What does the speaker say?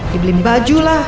dibeli baju lah